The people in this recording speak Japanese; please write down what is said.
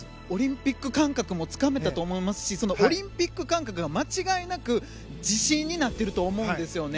オリンピック感覚もつかめたと思いますしそのオリンピック感覚が間違いなく自信になっていると思うんです。